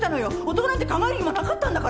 男なんて考える暇なかったんだから。